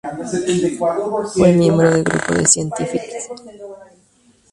Fue miembro del grupo de Scientific Governors en The Scripps Research Institute.